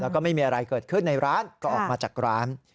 แล้วก็ไม่มีอะไรเกิดขึ้นในร้านก็ออกมาจากร้าน